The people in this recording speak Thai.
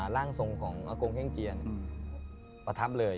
ร่างทรงของอากงแห้งเจียงประทับเลย